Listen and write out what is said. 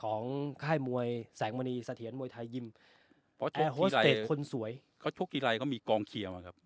ของค่ายมวยแสงมณีสะเทียนมวยทายยิมคนสวยเขาชกกีไรก็มีกองเคียร์มาครับ